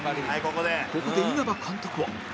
ここで稲葉監督は